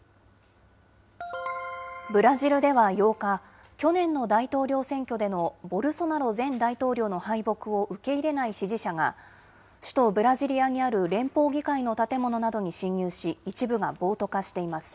ブラジルでは８日、去年の大統領選挙でのボルソナロ前大統領の敗北を受け入れない支持者が、首都ブラジリアにある連邦議会の建物などに侵入し、一部が暴徒化しています。